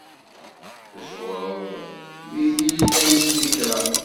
Tzewṛeḍ g tyita n ssnitra.